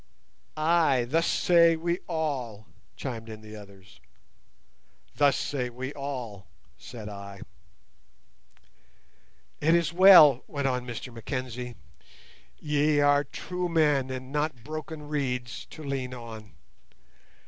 "Ay, thus say we all," chimed in the others. "Thus say we all," said I. "It is well," went on Mr Mackenzie. "Ye are true men and not broken reeds to lean on.